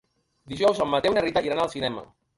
Dijous en Mateu i na Rita iran al cinema.